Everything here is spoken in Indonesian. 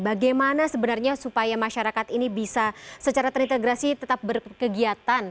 bagaimana sebenarnya supaya masyarakat ini bisa secara terintegrasi tetap berkegiatan